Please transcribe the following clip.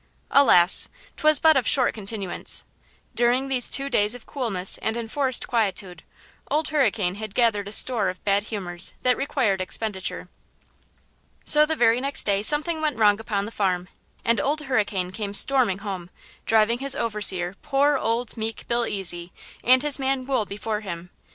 Alas! 'twas but of short continuance. During these two days of coolness and enforced quietude Old Hurricane had gathered a store of bad humors that required expenditure. So the very next day something went wrong upon the farm, and Old Hurricane came storming home, driving his overseer, poor, old, meek Billy Ezy, and his man Wool before him.